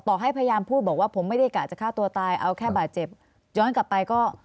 ให้พยายามพูดบอกว่าผมไม่ได้กะจะฆ่าตัวตายเอาแค่บาดเจ็บย้อนกลับไปก็